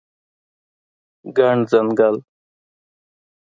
ګڼ ځنګل